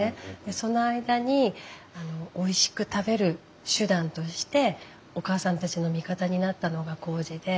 その間においしく食べる手段としておかあさんたちの味方になったのがこうじで。